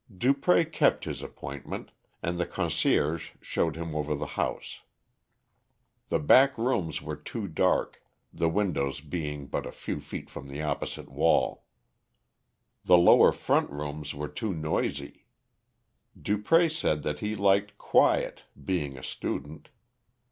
Dupré kept his appointment, and the concierge showed him over the house. The back rooms were too dark, the windows being but a few feet from the opposite wall. The lower front rooms were too noisy. Dupré said that he liked quiet, being a student.